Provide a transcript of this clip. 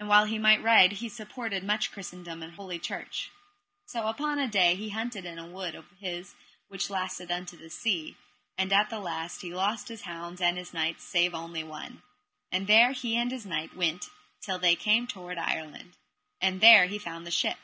And while he might ride he supported much Christendom and Holy Church. So upon a day he hunted in a wood of his which lasted unto the sea; and at the last he lost his hounds and his knights save only one: and there he and his knight went till that they came toward Ireland, and there he found the ship.